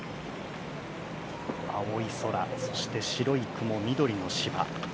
青い空、そして白い雲、緑の芝。